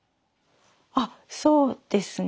あっそうですね。